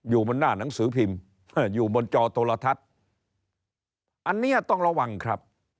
อยู่บนหน้าหนังสือพิมพ์อยู่บนจอโทรทัศน์อันนี้ต้องระวังครับ